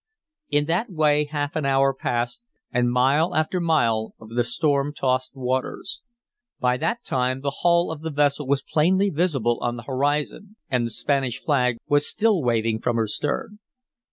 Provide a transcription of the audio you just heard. In that way half an hour passed away, and mile after mile of the storm tossed waters. By that time the hull of the vessel was plainly visible on the horizon; and the Spanish flag was still waving from her stern.